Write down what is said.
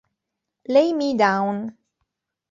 Lay Me Down